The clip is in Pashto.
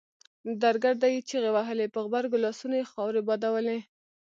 درګرده يې چيغې وهلې په غبرګو لاسونو يې خاورې بادولې.